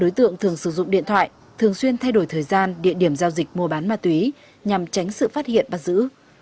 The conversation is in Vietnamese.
đối tượng thường sử dụng điện thoại thường xuyên thay đổi thời gian địa điểm giao dịch mua bán ma túy nhằm tránh sự phát hiện bắt giữ